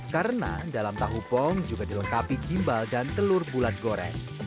karena dalam tahu pong juga dilengkapi gimbal dan telur bulat goreng